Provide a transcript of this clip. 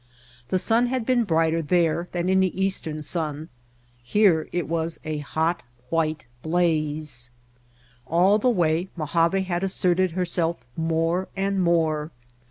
The sun had been brighter there than any east ern sun, here it was a hot, white blaze. All the way Mojave had asserted herself more and more.